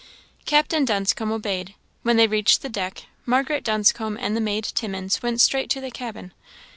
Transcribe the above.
Captain Dunscombe obeyed. When they reached the deck, Margaret Dunscombe and the maid Timmins went straight to the cabin.